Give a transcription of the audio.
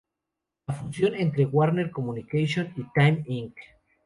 La fusión entre Warner Communications y Time Inc.